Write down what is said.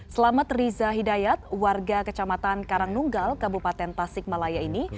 selamat riza hidayat warga kecamatan karangnunggal kabupaten tasikmalaya ini